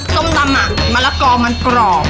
ส้มตำมะละกอมันกรอบ